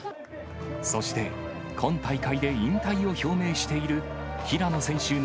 そして、今大会で引退を表明している、平野選手